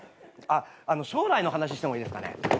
あっあの将来の話してもいいですかね。